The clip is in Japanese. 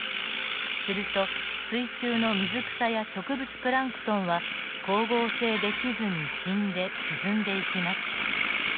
すると水中の水草や植物プランクトンは光合成できずに死んで沈んでいきます。